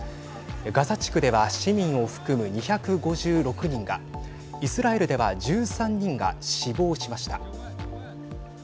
ガザ地区では市民を含む２５６人がイスラエルでは１３人が死亡しました。